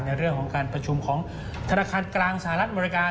ในเรื่องของการประชุมของธนาคารกลางสหรัฐอเมริกา